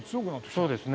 そうですね。